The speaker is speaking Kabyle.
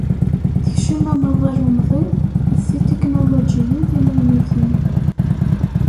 Tekcem amaḍal umḍin d tetiknulujiyin timaynutin.